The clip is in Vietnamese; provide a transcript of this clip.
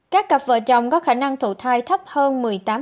các cặp vợ chồng có khả năng thổ thai thấp hơn một mươi tám